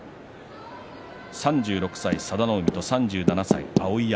３６歳、佐田の海３７歳、碧山。